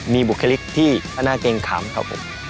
มีบุคลิกที่น่าเกรงขำครับผม